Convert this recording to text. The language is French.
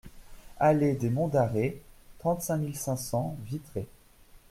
Allée des Monts d'Arrée, trente-cinq mille cinq cents Vitré